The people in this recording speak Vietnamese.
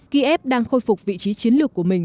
kiev đang khôi phục vị trí chiến lược của mình